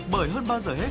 bởi hơn bao giờ hết